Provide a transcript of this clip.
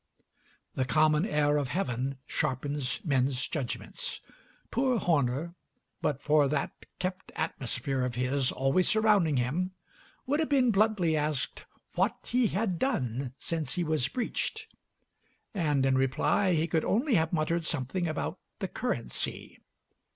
The common air of heaven sharpens men's judgments. Poor Horner, but for that kept atmosphere of his always surrounding him, would have been bluntly asked "what he had done since he was breeched," and in reply he could only have muttered something about the currency.